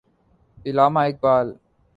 Allama Iqbal